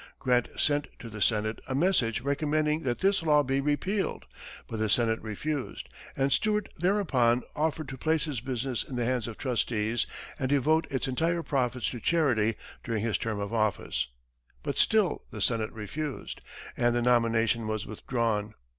Grant sent to the senate a message recommending that this law be repealed, but the senate refused; and Stewart thereupon offered to place his business in the hands of trustees and devote its entire profits to charity during his term of office; but still the senate refused, and the nomination was withdrawn.